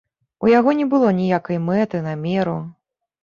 У яго не было ніякай мэты, намеру.